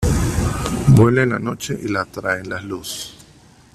Vuela en la noche y las atraen la luz.